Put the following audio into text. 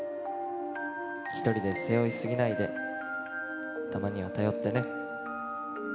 １人で背負い過ぎないで、たまには頼ってね。